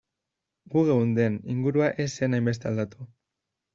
Gu geunden, ingurua ez zen hainbeste aldatu.